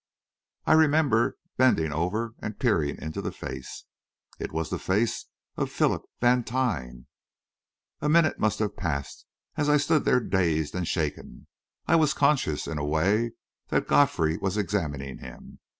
I remember bending over and peering into the face It was the face of Philip Vantine. A minute must have passed as I stood there dazed and shaken. I was conscious, in a way, that Godfrey was examining him.